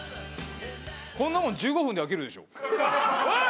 こんなもん１５分で飽きるでしょ。